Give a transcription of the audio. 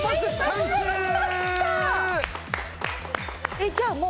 えっじゃあもう。